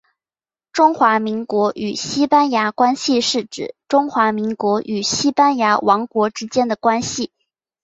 中华民国与西班牙关系是指中华民国与西班牙王国之间的关系。